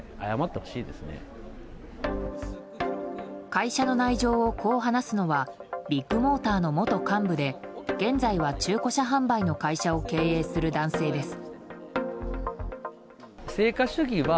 会社の内情を、こう話すのはビッグモーターの元幹部で現在は中古車販売の会社を経営する男性です。